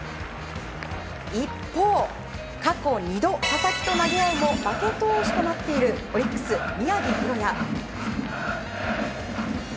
一方、過去２度佐々木と投げ合うも負け投手となっているオリックス、宮城大弥。